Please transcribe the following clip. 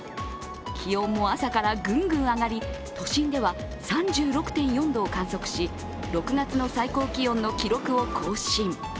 気温も朝からぐんぐん上がり都心では３６．４度を観測し、６月の観測記録を更新。